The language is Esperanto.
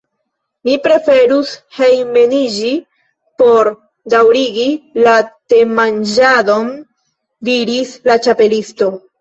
« Mi preferus hejmeniĝi por daŭrigi la temanĝadon," diris la Ĉapelisto.